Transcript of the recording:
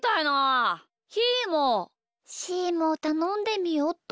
しーもたのんでみよっと。